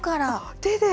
手で？